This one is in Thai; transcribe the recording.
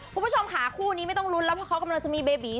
คุณผู้ชมค่ะคู่นี้ไม่ต้องลุ้นแล้วเพราะเขากำลังจะมีเบบี